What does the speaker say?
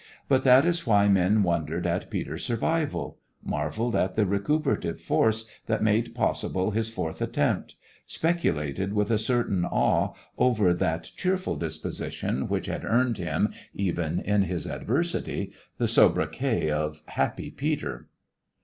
but that is why men wondered at Peter's survival, marvelled at the recuperative force that made possible his fourth attempt, speculated with a certain awe over that cheerful disposition which had earned him, even in his adversity, the sobriquet of Happy Peter.